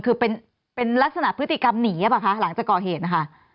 คือเป็นลักษณะพฤติกรรมหนีหรือเปล่าคะหลังจากก่อเหตุนะคะ